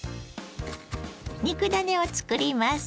肉ダネを作ります。